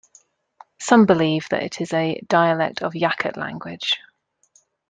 Some believe that it is a dialect of Yakut language.